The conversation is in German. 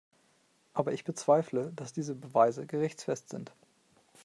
Aber ich bezweifle, dass diese Beweise gerichtsfest sind.